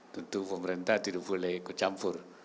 tentu pemerintah tidak boleh dicampur